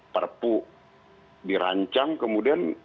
perpu dirancang kemudian